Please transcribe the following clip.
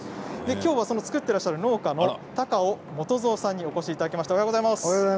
きょうは作っていらっしゃる農家の高尾元造さんにお越しいただきました。